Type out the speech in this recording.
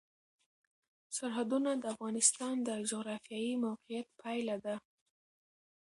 سرحدونه د افغانستان د جغرافیایي موقیعت پایله ده.